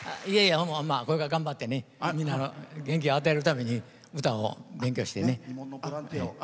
これから頑張ってみんなに元気を与えるために歌を勉強してね。